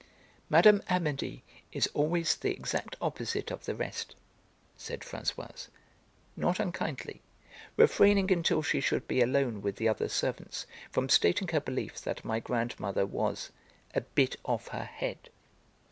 "Mme. Amédée is always the exact opposite of the rest," said Françoise, not unkindly, refraining until she should be alone with the other servants from stating her belief that my grandmother was 'a bit off her head.'